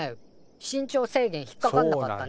身長制限引っかかんなかったね。